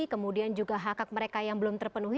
kemudian juga hak hak mereka yang belum terpenuhi